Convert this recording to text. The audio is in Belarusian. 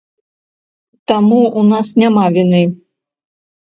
Таму, у нас няма віны.